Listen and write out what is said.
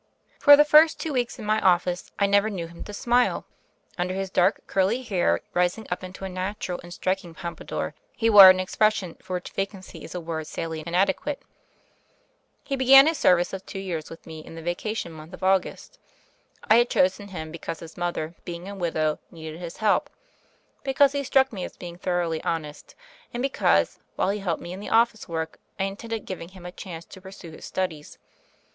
For the first two weeks in my office I never knew him to smile. Under his dark, curly hair, ris ing up into a natural and striking pompadour, he wore an expression for which vacancy is a word sadly inadequate. He began his service of two years with me in the vacation month of August. I had chosen him because his mother, being a widow, needed his help, because he struck me as being thor oughly honest, and because, while he helped me in the office work, I intended giving him a chance to pursue his studies.